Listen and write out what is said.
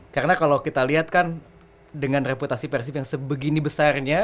karena kalau kita lihat kan dengan reputasi persib yang sebegini besarnya